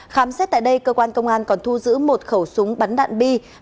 khám xét tại đây cơ quan công an còn thu giữ một khẩu súng bắn đạn bi